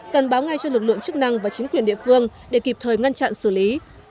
cần báo ngay cho lực lượng chức năng và chính quyền địa phương để kịp thời ngăn chặn xử lý